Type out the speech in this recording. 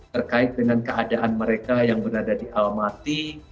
terkait dengan keadaan mereka yang berada di almaty